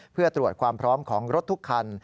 เพื่อตรวจความพร้อมของรถทุกคัน